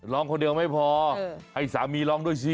ร้องคนเดียวไม่พอให้สามีร้องด้วยสิ